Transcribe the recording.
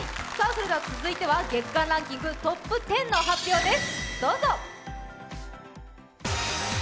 続いては月間ランキングトップ１０の発表です。